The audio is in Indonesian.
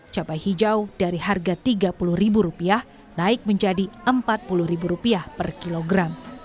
cabai hijau dari harga rp tiga puluh naik menjadi rp empat puluh per kilogram